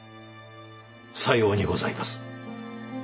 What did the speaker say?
さようにございます。